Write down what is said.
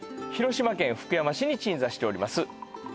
広島県福山市に鎮座しております